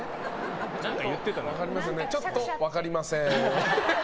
ちょっと分かりません。